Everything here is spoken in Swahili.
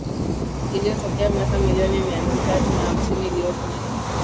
Iliyotokea miaka milioni mia tatu na hamsini iliyopita